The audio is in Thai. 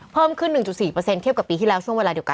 เพิ่มขึ้น๑๔เทียบกับปีที่แล้วช่วงเวลาเดียวกัน